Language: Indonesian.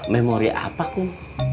memori apa kum